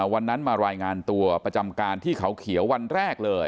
วันนั้นมารายงานตัวประจำการที่เขาเขียววันแรกเลย